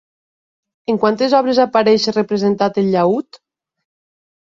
En quantes obres apareix representat el llaüt?